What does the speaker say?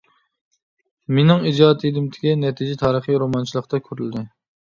مېنىڭ ئىجادىيىتىمدىكى نەتىجە تارىخىي رومانچىلىقتا كۆرۈلدى.